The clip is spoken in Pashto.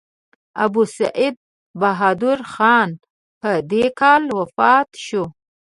ابوسعید بهادر خان په دې کال وفات شو.